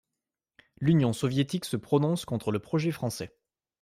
L'Union soviétique se prononce contre le projet français.